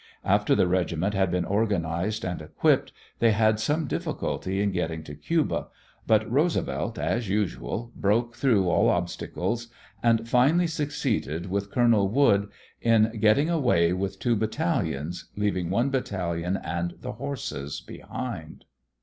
After the regiment had been organized and equipped they had some difficulty in getting to Cuba, but Roosevelt as usual broke through all obstacles, and finally succeeded, with Colonel Wood, in getting away with two battalions, leaving one battalion and the horses behind.